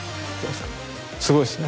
すごいですね。